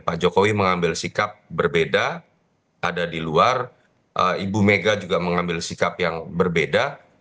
pak jokowi mengambil sikap berbeda ada di luar ibu mega juga mengambil sikap yang berbeda